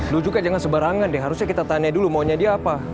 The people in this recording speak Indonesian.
lucunya jangan sebarangan deh harusnya kita tanya dulu maunya dia apa